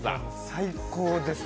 最高です！